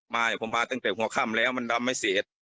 มาผมมาตั้งแต่หัวข้ำแล้วมันรับไม่เสียด